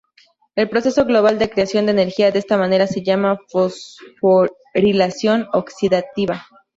El proceso global de creación de energía de esta manera se llama fosforilación oxidativa.